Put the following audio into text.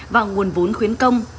và nguồn vốn khuyến công